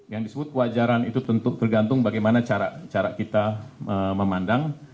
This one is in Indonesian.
yang disebut kewajaran itu tentu tergantung bagaimana cara kita memandang